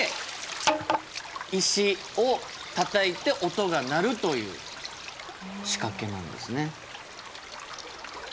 石をたたいて音が鳴るという仕掛けなんですね。